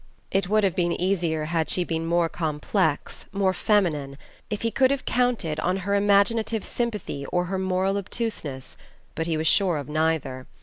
It would have been easier had she been more complex, more feminine if he could have counted on her imaginative sympathy or her moral obtuseness but he was sure of neither.